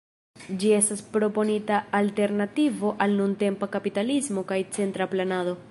Ĝi estas proponita alternativo al nuntempa kapitalismo kaj centra planado.